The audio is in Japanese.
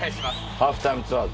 『ハーフタイムツアーズ』。